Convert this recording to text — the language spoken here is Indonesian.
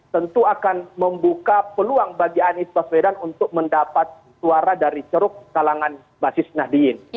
tentu akan membuka peluang bagi anies baswedan untuk mendapat suara dari ceruk kalangan basis nahdiyin